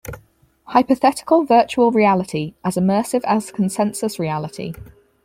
Hypothetical virtual reality as immersive as consensus reality.